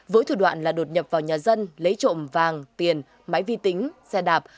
với thủ đoạn là đột nhập vào nhà dân lấy trộm vàng tiền máy vi tính xe đạp